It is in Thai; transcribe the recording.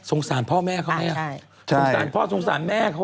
สารพ่อแม่เขาแม่สงสารพ่อสงสารแม่เขา